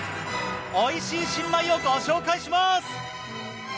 おいしい新米をご紹介します！